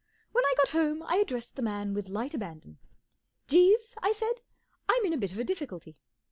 When I got home I addressed the man with light abandon. " Jeeves," I said, "I'm in a bit of a difficulty."